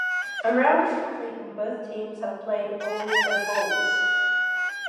A round is complete when both teams have played all of their bolles.